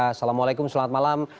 assalamualaikum selamat malam